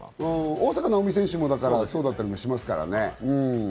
大坂なおみ選手もそうだったりしますからね。